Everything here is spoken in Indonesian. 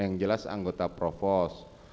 yang jelas anggota profos